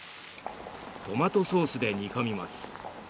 トマトソースで煮込みます。